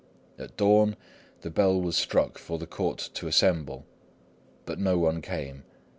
At dawn the bell was struck for the Court to assemble; but no one came.